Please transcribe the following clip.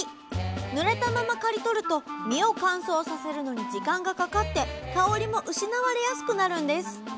ぬれたまま刈り取ると実を乾燥させるのに時間がかかって香りも失われやすくなるんです。